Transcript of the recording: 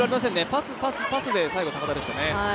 パス、パス、パスで最後、高田でしたね。